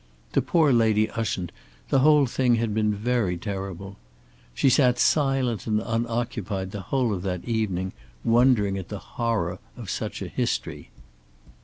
To poor Lady Ushant the whole thing had been very terrible. She sat silent and unoccupied the whole of that evening wondering at the horror of such a history.